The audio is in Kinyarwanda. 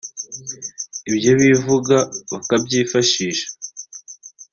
ibyo bivuga bakabyifashisha